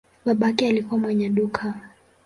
Babake alikuwa mwenye duka.